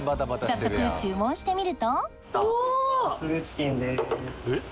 早速注文してみるとおっ！